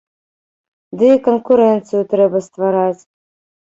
Ды і канкурэнцыю трэба ствараць!